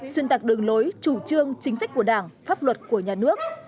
xuyên tạc đường lối chủ trương chính sách của đảng pháp luật của nhà nước